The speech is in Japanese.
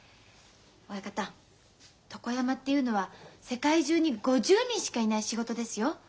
親方床山っていうのは世界中に５０人しかいない仕事ですよ。